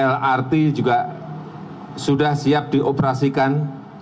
lrt juga sudah siap dioperasikan